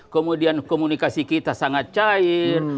kemudian komunikasi kita sangat cair